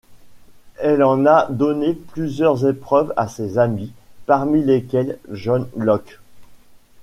Il en a donné plusieurs épreuves à ses amis, parmi lesquels John Locke.